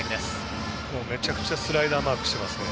めちゃくちゃスライダーをマークしていますね。